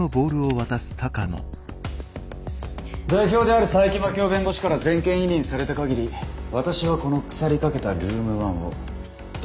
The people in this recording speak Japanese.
代表である佐伯真樹夫弁護士から全権委任された限り私はこの腐りかけたルーム１を立派に立て直してみせます。